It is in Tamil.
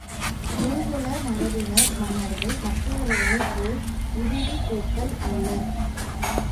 குரு குல மரபினர் மன்னர்கள் மற்றவர்களைப் போல் உதிரிப் பூக்கள் அல்லர்.